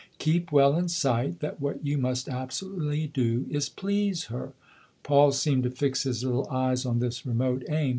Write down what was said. Keep well in sight that what you must absolutely do is please her." Paul seemed to fix his little eyes on this remote aim.